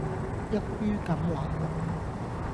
一於噉話